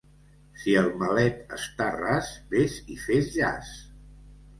Si el Malet està ras, ves i fes jaç.